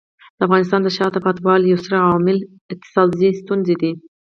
د افغانستان د شاته پاتې والي یو ستر عامل اقتصادي ستونزې دي.